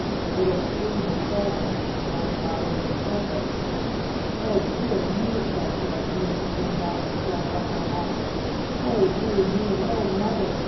A little stream of sawdust was running out over the carpet. "Oh, dear me!" cried Dorothy, when she came back and saw what had hap pened. "Oh, dear me! Oh, Mother!